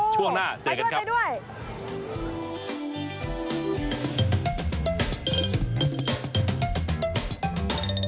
ช่วงหน้าเจอกันครับไปด้วย